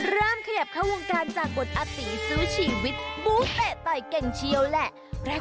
เริ่มขยับเข้าวงการจากบทอาตีสู้ชีวิตบูเปะต่อยเก่งเชียวแหละ